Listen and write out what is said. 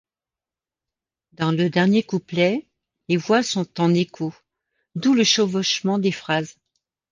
Dans le dernier couplet, les voix sont en échos, d'où le chevauchement des phrases.